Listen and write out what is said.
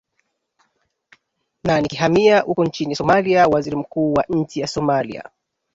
na nikihamia huko nchini somalia waziri mkuu wa nchi ya somalia